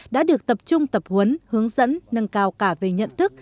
đã được tập trung tập huấn hướng dẫn nâng cao cả về nhận thức